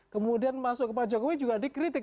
kemudian masuk ke pak jokowi juga dikritik